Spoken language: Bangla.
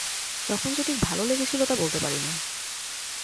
তখন যে ঠিক ভালো লেগেছিল তা বলতে পারি নে।